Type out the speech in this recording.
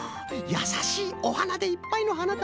やさしいおはなでいっぱいのはなたばな。